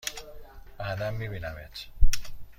بعدا می بینمت!